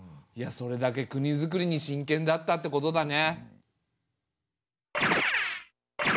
いやそれだけ国づくりにしんけんだったってことだね。